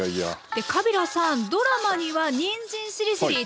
でカビラさんドラマにはにんじんしりしりー